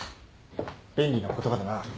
便利な言葉だな。